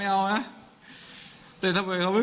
ได้คุยกันไหมเมื่อเช้ามีแม่กับแม่มา